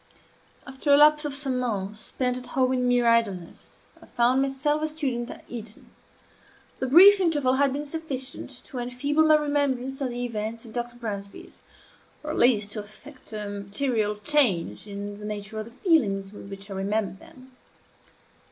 After a lapse of some months, spent at home in mere idleness, I found myself a student at Eton. The brief interval had been sufficient to enfeeble my remembrance of the events at Dr. Bransby's, or at least to effect a material change in the nature of the feelings with which I remembered them.